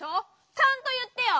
ちゃんといってよ！